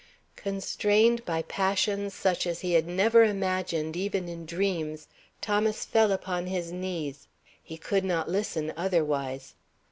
Constrained by passions such as he had never imagined even in dreams, Thomas fell upon his knees. He could not listen otherwise.